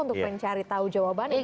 untuk mencari tahu jawabannya